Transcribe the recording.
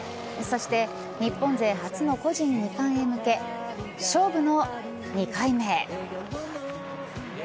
そして、日本勢初の個人２冠へ向け勝負の２回目。